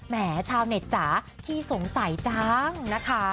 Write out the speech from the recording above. แหมชาวเน็ตจ๋าขี้สงสัยจังนะคะ